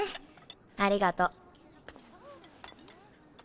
ありがとう。